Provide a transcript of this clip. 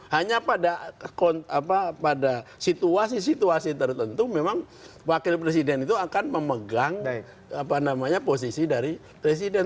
hanya pada situasi situasi tertentu memang wakil presiden itu akan memegang posisi dari presiden